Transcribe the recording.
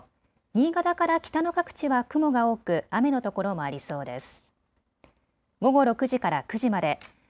新潟から北の各地は雲が多く雨の所もありそうです。